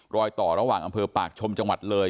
รอยต่อระหว่างอำเภอปากชมจังหวัดเลย